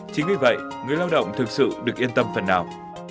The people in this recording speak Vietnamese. chính vì vậy người lao động thực sự được yên tâm phần nào